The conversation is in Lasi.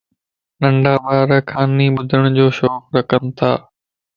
ننڍا ٻارَ ڪھاني ٻُڌڙ جو شوق رکنتا